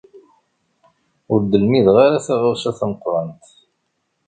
Ur d-lmideɣ ara taɣawsa tameqrant.